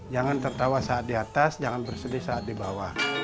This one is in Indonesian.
jangan tertawa saat di atas jangan bersedih saat di bawah